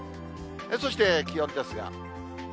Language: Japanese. そして気温ですが。